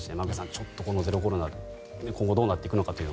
ちょっとゼロコロナが今後どうなっていくのか。